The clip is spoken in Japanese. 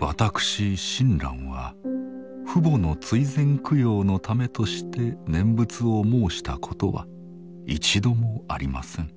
私親鸞は父母の追善供養のためとして念仏を申したことは一度もありません。